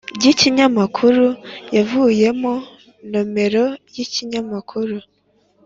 ry’ikinyamakuru yavuyemo, nomero y’ikinyamakuru,